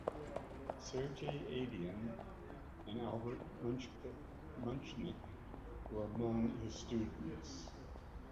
Sergei Adian and Albert Muchnik were among his students.